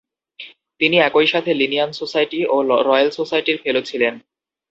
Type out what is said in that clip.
তিনি একই সাথে লিনিয়ান সোসাইটি ও রয়েল সোসাইটির ফেলো ছিলেন।